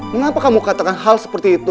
mengapa kamu katakan hal seperti itu